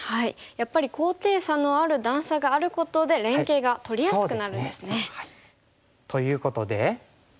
やっぱり高低差のある段差があることで連携がとりやすくなるんですね。ということで。